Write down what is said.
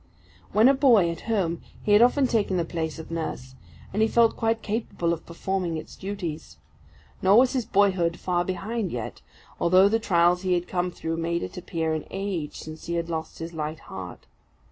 When a boy at home, he had often taken the place of nurse, and he felt quite capable of performing its duties. Nor was his boyhood far behind yet, although the trials he had come through made it appear an age since he had lost his light heart.